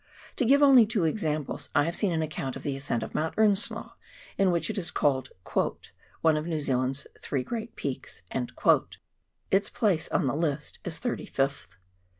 To give only two examples : I have seen an account of the ascent of Mount Earnslaw in which it is called " one of New Zealand's three great peaks "— its place on the list is thirty fifth.